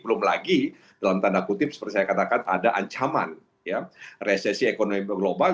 belum lagi dalam tanda kutip seperti saya katakan ada ancaman resesi ekonomi global